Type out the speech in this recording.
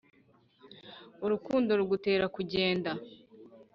urukundo rugutera kugenda '